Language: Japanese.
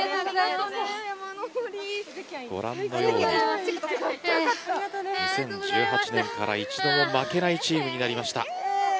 ご覧のように２０１８年から一度も負けないチームになりました。